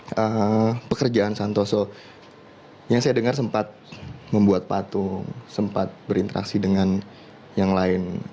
karena pekerjaan santoso yang saya dengar sempat membuat patung sempat berinteraksi dengan yang lain